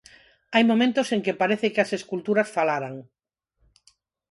Hai momentos en que parece que as esculturas falaran.